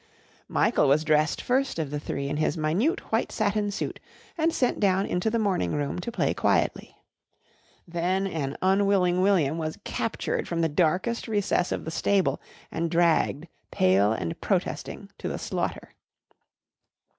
Michael was dressed first of the three in his minute white satin suit and sent down into the morning room to play quietly. Then an unwilling William was captured from the darkest recess of the stable and dragged pale and protesting to the slaughter.